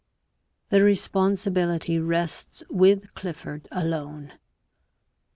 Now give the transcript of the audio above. The responsibility rests with Clifford alone.